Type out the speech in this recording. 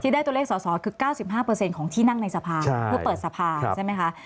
ได้ตัวเลขสอสอคือ๙๕ของที่นั่งในสภาเพื่อเปิดสภาใช่ไหมคะ